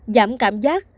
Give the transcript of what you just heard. giảm cảm giác